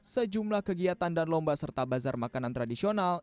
sejumlah kegiatan dan lomba serta bazar makanan tradisional